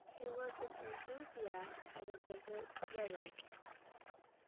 He was an enthusiast and a desert dweller.